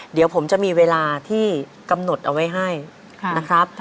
เดี๋ยวผมจะมีเวลาที่กำหนดเอาไว้ให้นะครับ